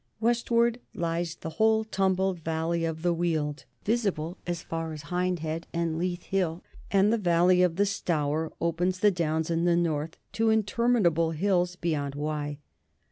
Westward lies the whole tumbled valley of the Weald, visible as far as Hindhead and Leith Hill, and the valley of the Stour opens the Downs in the north to interminable hills beyond Wye.